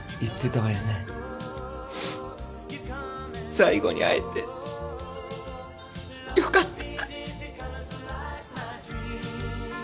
最後に会えてよかった。